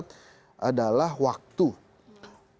kenapa nampaknya memang hal hal seperti ini tuh responnya agak lama